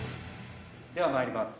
ではまいります。